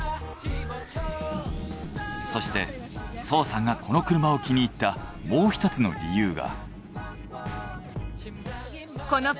そして曾さんがこの車を気に入ったもう１つの理由が。